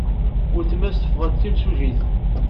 Weltma-s teffeɣ-d d timsujjit.